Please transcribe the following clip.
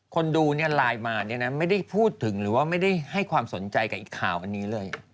คนดูเนี่ยไลน์มาเนี่ยนะไม่ได้พูดถึงหรือว่าไม่ได้ให้ความสนใจกับอีกข่าวอันนี้เลย